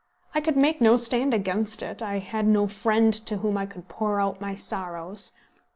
I could make no stand against it. I had no friend to whom I could pour out my sorrows.